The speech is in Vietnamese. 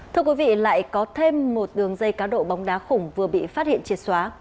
thưa quý vị lại có thêm một đường dây cá độ bóng đá khủng vừa bị phát hiện triệt xóa